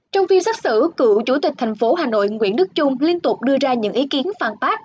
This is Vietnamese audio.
trong phiên xác xử cựu chủ tịch thành phố hà nội nguyễn đức trung liên tục đưa ra những ý kiến phản bác